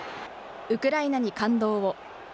ウクライナに感動を。